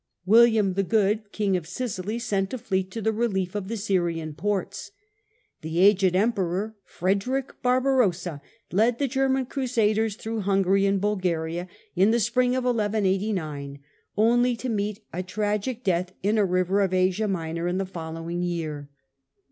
William the Good, King of Sicily, sent a fleet to the relief of the Syrian ports. The aged Emperor, Frederick Barbarossa, led the German Crusaders through Hungary and Bulgaria in the spring of 1189, only to Death of meet a tragic death in a river of Asia Minor, in the Barbar following year (see p.